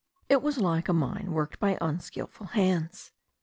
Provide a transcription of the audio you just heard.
It was like a mine worked by unskilful hands.